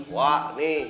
wah nih ya